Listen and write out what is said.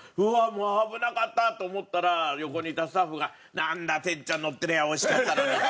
もう危なかった！と思ったら横にいたスタッフが「なんだ哲ちゃん乗ってりゃおいしかったのに」。